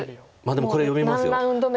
でもこれ読みます。